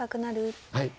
はい。